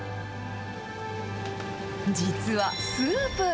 実は、スープ。